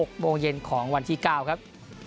ขอบคุณครับ